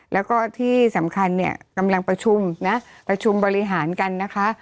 แล้วก็ที่สำคัญเนี่ยกำลังประชุมนะประชุมบริหารกันนะคะ